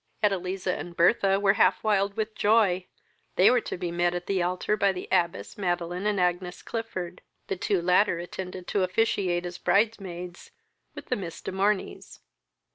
Edeliza and Bertha were half wild with joy: they were to be met at the altar by the abbess, Madeline, and Agnes Clifford; the two latter intended to officiate as bride maids with the Miss de Morneys.